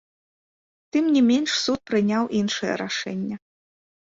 Тым не менш, суд прыняў іншае рашэнне.